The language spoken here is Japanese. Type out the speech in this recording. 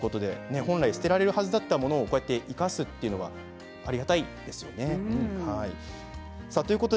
本来、捨てられるはずだったものを生かすというのはありがたいですよね。